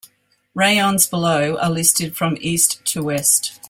Raions below are listed from east to west.